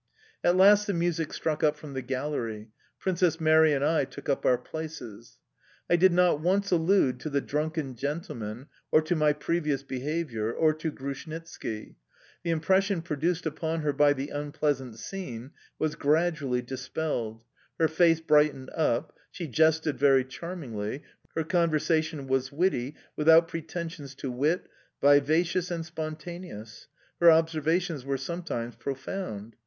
At last the music struck up from the gallery, Princess Mary and I took up our places. I did not once allude to the drunken gentleman, or to my previous behaviour, or to Grushnitski. The impression produced upon her by the unpleasant scene was gradually dispelled; her face brightened up; she jested very charmingly; her conversation was witty, without pretensions to wit, vivacious and spontaneous; her observations were sometimes profound...